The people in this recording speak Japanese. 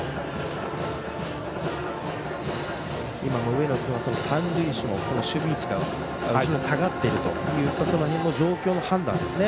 上野君は三塁手の守備位置が後ろに下がっているというその辺の状況判断ですね。